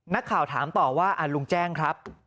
นักข่าวถามต่อว่าลุงแจ้งครับ